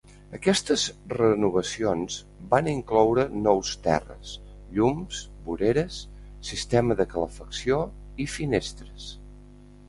Aquestes renovacions van incloure nous terres, llums, voreres, sistema de calefacció i finestres.